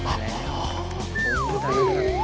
ปาบเลย